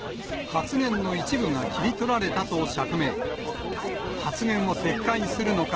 発言の一部が切り取られたと釈明。